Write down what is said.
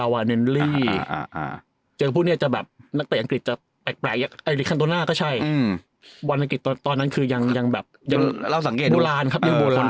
วันละกิจตอนนั้นคือยังโบราณครับ